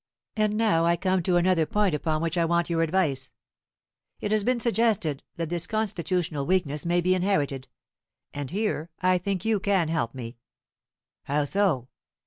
And now I come to another point upon which I want your advice. It has been suggested that this constitutional weakness may be inherited; and here I think you can help me." "How so?"